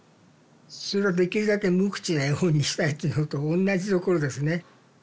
それはできるだけ無口な絵本にしたいっていうのとおんなじところですね。